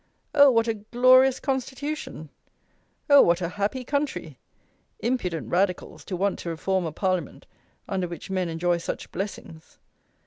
Oh! what a 'glorious Constitution!' 'Oh! what a happy country! Impudent Radicals, to want to reform a Parliament, under which men enjoy such blessings!